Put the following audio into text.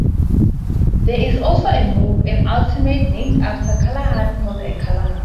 There is also a move in Ultimate named after Callahan called a "Callahan".